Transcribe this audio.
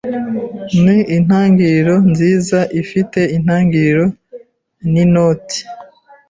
ni intangiriro nziza ifite intangiriro ninoti